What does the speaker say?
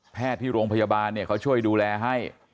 แพทย์ที่โรงพยาบาลเนี่ยเขาช่วยดูแลให้